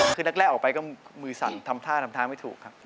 คือแรกออกไปก็มือสั่นทำท่าทำทางไม่ถูกครับ